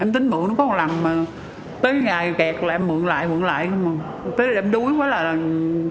thì em mới mượn